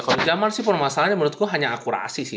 kalau jamal sih masalahnya menurut gue hanya akurasi sih